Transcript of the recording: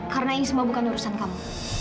karena ini semua bukan urusan kamu